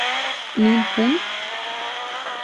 Nee Pon?